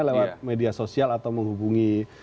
lewat media sosial atau menghubungi